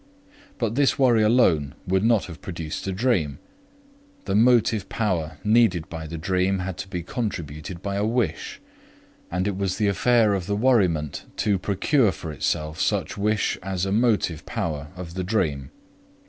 But this worry alone would not have produced a dream; the motive power needed by the dream had to be contributed by a wish, and it was the affair of the worriment to procure for itself such wish as a motive power of the dream.